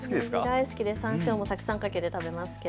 大好きで、さんしょうもたくさんかけて食べますけど。